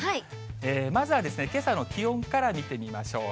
まずはけさの気温から見てみましょう。